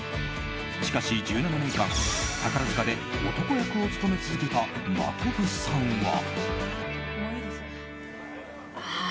しかし、１７年間宝塚で男役を演じ続けた真飛さんは。